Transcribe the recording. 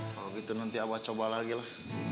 kalau gitu nanti abah coba lagi lah